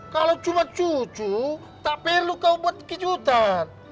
kalau cuma cucu tak perlu kau buat kejutan